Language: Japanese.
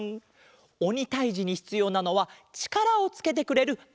おにたいじにひつようなのはちからをつけてくれるあれだわん。